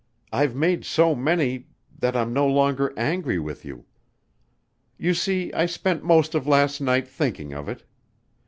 "I've made so many that I'm no longer angry with you. You see I spent most of last night thinking of it.